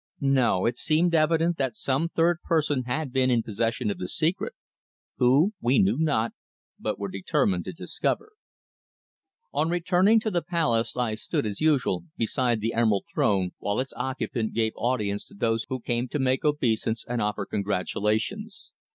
No, it seemed evident that some third person had been in possession of the secret. Who, we knew not, but were determined to discover. On returning to the palace I stood, as usual, beside the Emerald Throne while its occupant gave audience to those who came to make obeisance and offer congratulations.